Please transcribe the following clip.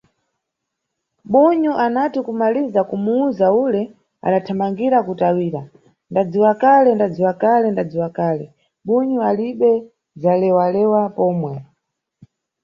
Bunyu anati kumaliza kumuwuza ule adathamangiratu kutawira: Ndadziwakale, ndadziwakale, ndadziwakale, bunyu alibe dzalewalewa pomwe.